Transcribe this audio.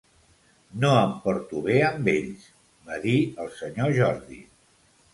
"No em porto bé amb ells", va dir el senyor Jordi.